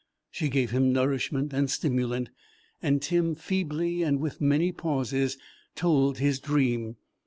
She gave him nourishment and stimulant, and Tim feebly and with many pauses told his dream.